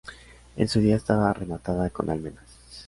En su día estaba rematada con almenas.